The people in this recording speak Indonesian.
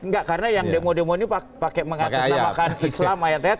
enggak karena yang demo demo ini pakai mengatasnamakan islam ayat ayat